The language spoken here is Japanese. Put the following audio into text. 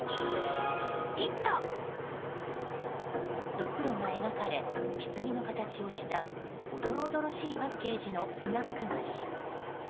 ドクロが描かれひつぎの形をしたおどろおどろしいパッケージのスナック菓子。